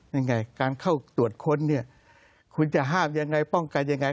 ยังไงการเข้าตรวจค้นเนี่ยคุณจะห้ามยังไงป้องกันยังไง